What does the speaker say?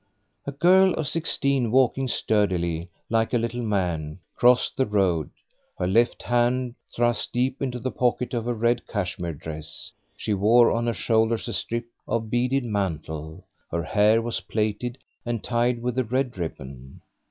A girl of sixteen walking sturdily, like a little man, crossed the road, her left hand thrust deep into the pocket of her red cashmere dress. She wore on her shoulders a strip of beaded mantle; her hair was plaited and tied with a red ribbon.